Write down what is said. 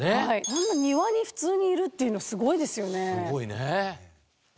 あんな庭に普通にいるっていうのすごいですよね。